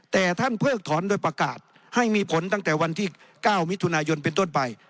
แต่ท่านเพิกถอนโดยประกาศให้มีผลตั้งแต่วันที่๙มิถุนายนเป็นต้นไป